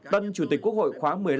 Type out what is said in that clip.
tân chủ tịch quốc hội khóa một mươi năm